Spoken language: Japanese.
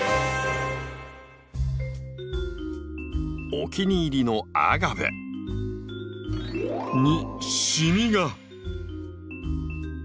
お気に入りのアガベ。にシミが！